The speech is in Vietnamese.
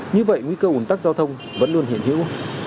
như vậy nguy cơ ủn tắc giao thông vẫn luôn hiện hữu